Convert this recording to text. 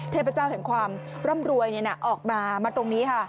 เทพเจ้าแห่งความร่ำรวยออกมามาตรงนี้ค่ะ